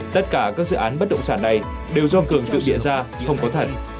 tất cả các dự án bất động sản này đều do cường tự địa ra không có thật